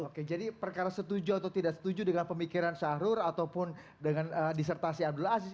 oke jadi perkara setuju atau tidak setuju dengan pemikiran syahrul ataupun dengan disertasi abdul aziz